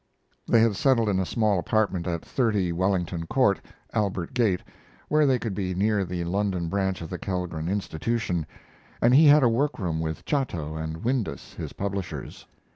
They had settled in a small apartment at 30, Wellington Court, Albert Gate, where they could be near the London branch of the Kellgren institution, and he had a workroom with Chatto & Windus, his publishers.